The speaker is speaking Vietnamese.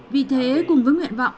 vì thế cùng với nguyện vọng